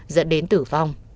dẫn đến tử vong